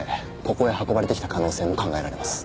ここへ運ばれてきた可能性も考えられます。